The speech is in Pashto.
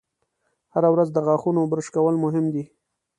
هره ورځ د غاښونو برش کول مهم دي.